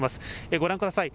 ご覧ください。